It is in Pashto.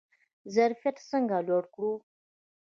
ظرفیت څنګه لوړ کړو؟